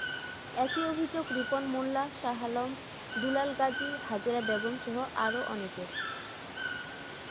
একই অভিযোগ রিপন মোল্লা, শাহ আলম, দুলাল গাজী, হাজেরা বেগমসহ আরও অনেকের।